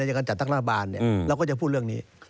อย่างกันจากตั้งหน้าบานเนี่ยเราก็จะพูดเรื่องนี้